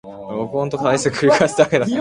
エソンヌ県の県都はエヴリーである